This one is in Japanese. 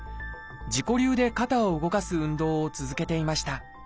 自己流で肩を動かす運動を続けていました。